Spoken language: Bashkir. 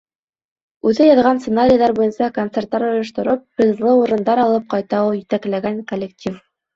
Үҙе яҙған сценарийҙар буйынса концерттар ойоштороп, призлы урындар алып ҡайта ул етәкләгән коллектив.